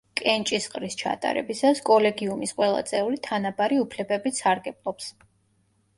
კენჭისყრის ჩატარებისას კოლეგიუმის ყველა წევრი თანაბარი უფლებებით სარგებლობს.